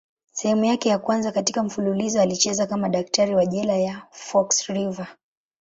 Sehemu yake ya kwanza katika mfululizo alicheza kama daktari wa jela ya Fox River.